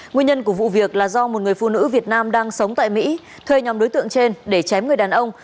nguyên nhân của vụ việc là do một người phụ nữ việt nam đang sống tại mỹ thuê nhóm đối tượng trên để chém người đàn ông